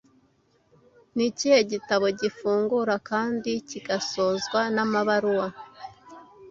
Ni ikihe gitabo gifungura kandi kigasozwa n'amabaruwa